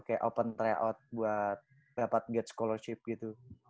kayak open tryout buat dapat gate scholarship gitu